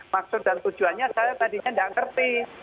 maksud dan tujuannya saya tadinya tidak ngerti